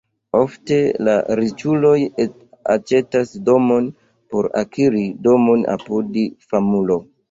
Ofte la riĉuloj aĉetas domon por akiri domon apud famulo.